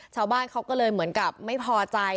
ชาวบ้านเขาก็เลยเหมือนกับไม่พอใจ